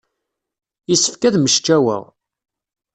Yessefk ad mmecčaweɣ.